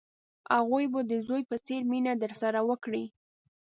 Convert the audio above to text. هغوی به د زوی په څېر مینه درسره وکړي.